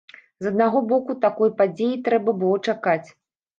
З аднаго боку, такой падзеі трэба было чакаць.